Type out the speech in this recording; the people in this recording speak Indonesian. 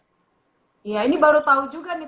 iya ini baru tahu juga nih